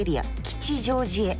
吉祥寺へ。